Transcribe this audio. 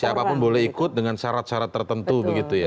siapapun boleh ikut dengan syarat syarat tertentu begitu ya